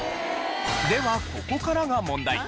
ではここからが問題。